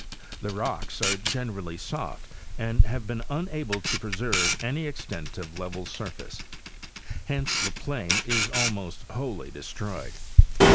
The rocks are gen erally soft and have been unable to preserve any extent of level surface ; hence the plain is almost wholly destroyed.